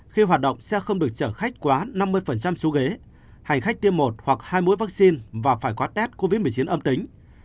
khi hoạt động xe không được chở khách quá năm mươi số ghế hành khách tiêm một hoặc hai mũi vaccine và phải có test covid một mươi chín âm tính